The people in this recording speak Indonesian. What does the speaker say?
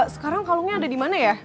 sekarang kalungnya ada di mana ya